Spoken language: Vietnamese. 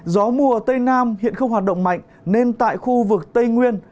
gió mùa tây nam hiện không hoạt động mạnh nên tại khu vực tây nguyên